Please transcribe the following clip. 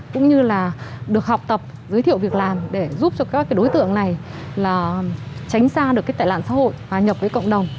cũng như là được học tập giới thiệu việc làm để giúp cho các đối tượng này tránh xa được tệ lạng xã hội và nhập với cộng đồng